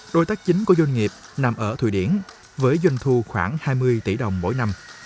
đối tác chính của doanh nghiệp nằm ở thụy điển với doanh thu khoảng hai mươi tỷ đồng mỗi năm